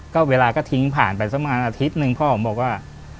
ก็เวลาก็ทิ้งผ่านไปสักประมาณอาทิตย์หนึ่งพ่อผมบอกว่า